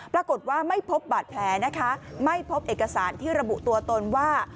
ปรากฏว่าไม่พบบาดแผลนะคะไม่พบเอกสารที่ระบุตัวตนว่า